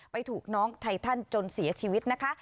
ถูกน้องไททันจนเสียชีวิตนะคะ